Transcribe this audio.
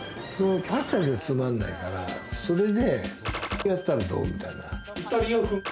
パスタじゃつまらないから、それでやったらどう？みたいな。